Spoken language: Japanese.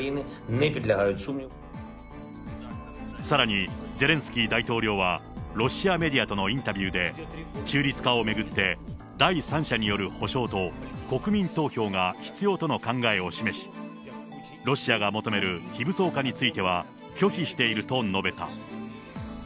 さらに、ゼレンスキー大統領は、ロシアメディアとのインタビューで、中立化を巡って、第三者による保証と、国民投票が必要との考えを示し、ロシアが求める非武装化については、拒否していると述べた。